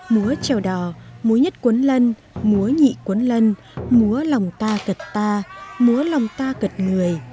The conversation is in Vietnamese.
múa trèo đò múa nhất cuốn lân múa nhị cuốn lân múa lòng ta cật ta múa lòng ta cật người